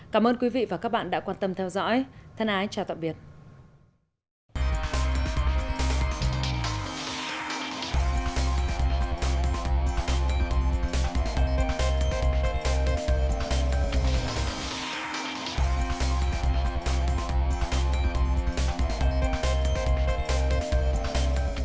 cảm ơn các bạn đã theo dõi và hẹn gặp lại